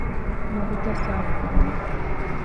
މަގުތައް ސާފުކުރުމަށް